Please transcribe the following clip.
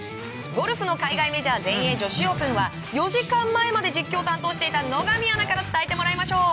ゴルフの海外メジャー全英女子オープンは４時間前まで実況を担当していた野上アナから伝えてもらいましょう。